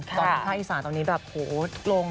ประมาณภายสารครับนี้แหละทุกโลง